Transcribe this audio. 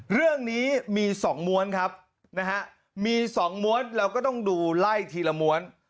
เรื่องนี้มี๒ม้วนครับนะฮะมี๒ม้วนเราก็ต้องดูไล่ทีละม้วน